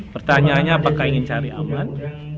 pertanyaannya apakah ingin cari aman